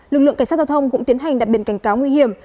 lực lượng cảnh sát giao thông cũng tiến hành đặc biệt cảnh cáo nguy hiểm